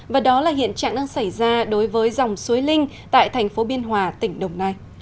và đó là hiện trạng đang xảy ra đối với dòng suối linh tại thành phố biên hòa tỉnh đồng nai